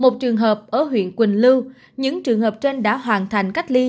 một trường hợp ở huyện quỳnh lưu những trường hợp trên đã hoàn thành cách ly